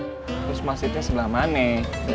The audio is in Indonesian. terus masjidnya sebelah mana